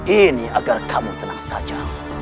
ini agar kamu tenang saja